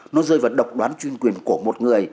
nó rơi vào độc đoán chuyên quyền của một người